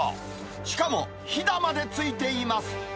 しかもひだまでついています。